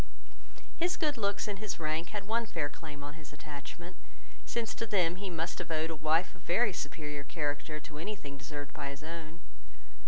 His good looks and his rank had one fair claim on his attachment; since to them he must have owed a wife of very superior character to any thing deserved by his own.